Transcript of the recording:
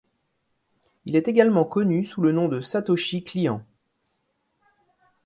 Il est également connu sous le nom de Satoshi client.